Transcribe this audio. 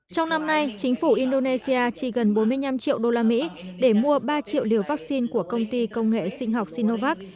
trong năm nay chính phủ indonesia chi gần bốn mươi năm triệu đô la mỹ để mua ba triệu liều vaccine của công ty công nghệ sinh học sinovac